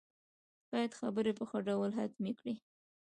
بايد خبرې په ښه ډول ختمې کړي.